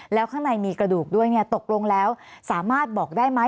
แล้วข้างในมีกระดูกด้วยเนี่ยตกลงแล้วสามารถบอกได้ไหม